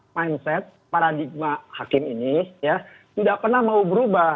mindset paradigma hakim ini ya tidak pernah mau berubah